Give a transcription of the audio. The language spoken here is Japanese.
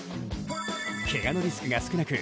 けがのリスクが少なく、